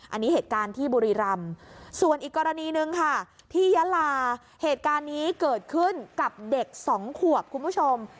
อันนี้เหตุการณ์ที่บุรีรำส่วนอีกกรณีหนึ่งค่ะที่ยาลาเหตุการณ์นี้เกิดขึ้นกับเด็กสองขวบคุณผู้ชม